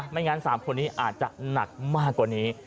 ไม่งั้น๓คนนี้อาจจะหนักมากกว่านี้